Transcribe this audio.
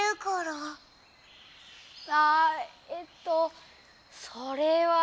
あえっとそれは。